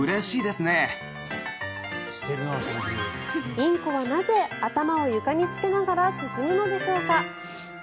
インコはなぜ頭を床につけながら進むのでしょうか。